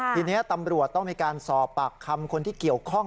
ทีนี้ตำรวจต้องมีการสอบปากคำคนที่เกี่ยวข้อง